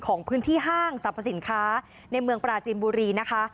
ของพื้นที่ห้างสรรพสินค้าในเมืองปราจีนบุรีนะคะ